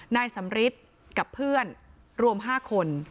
นายสำริทกับเพื่อนรวม๕คน